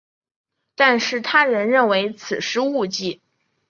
但是他人认为此是误记。